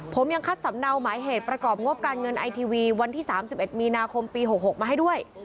ผมยังคัดสำเนาหมายเหตุประกอบงบการเงินไอทีวีวันที่๓๑มีนาคมปี๖๖มาให้ด้วย